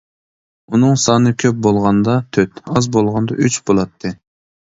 ئۇنىڭ سانى كۆپ بولغاندا تۆت، ئاز بولغاندا ئۈچ بولاتتى.